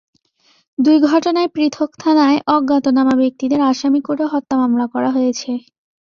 দুই ঘটনায় পৃথক থানায় অজ্ঞাতনামা ব্যক্তিদের আসামি করে হত্যা মামলা করা হয়েছে।